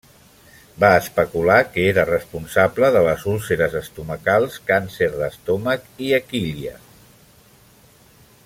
Va especular que era responsable de les úlceres estomacals, càncer d'estómac i aquília.